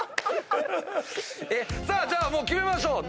さあもう決めましょう。